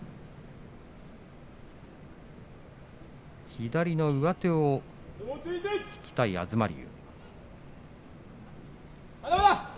左の上手を引きたい東龍。